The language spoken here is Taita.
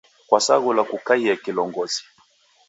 Kwasaghulwa kukaie kilongozi